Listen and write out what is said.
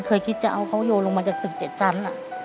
เคยคิดจะเอาเขาโยนลงมาจากตึก๗ชั้น